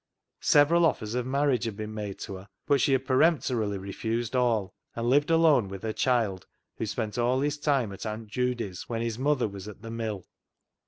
Several offers of marriage had been made to her, but she had peremptorily refused all, and lived alone with her child, who spent his time at Aunt Judy's when his mother was at the mill.